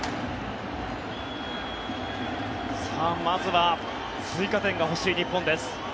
まずは追加点が欲しい日本です。